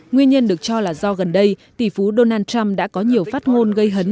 nguyên nhân được cho là do gần đây tỷ phú donald trump đã có nhiều phát ngôn gây hấn